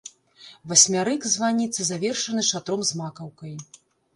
Васьмярык званіцы завершаны шатром з макаўкай.